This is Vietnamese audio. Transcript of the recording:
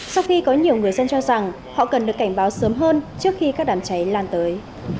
sau khi có nhiều người dân cho rằng họ cần được cảnh báo sớm hơn trước khi các đám cháy lan tới